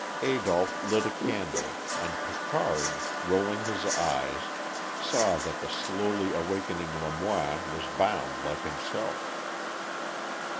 Adolph lit a candle, and Picard, rolling his eyes, saw that the slowly awakening Lamoine was bound like himself.